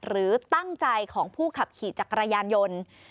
หรือตั้งใจของผู้ขับขี่จักรยานยนต์